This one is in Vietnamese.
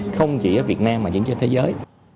không chỉ ở việt nam mà trên thế giới